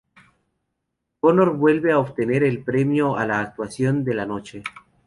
Conor vuelve a obtener el premio a la "Actuación de la Noche".